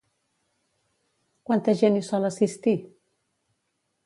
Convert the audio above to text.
Quanta gent hi sol assistir?